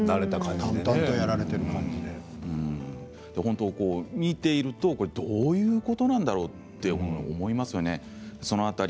淡々とやられて見ているとどういうことなんだろうと思いますよね。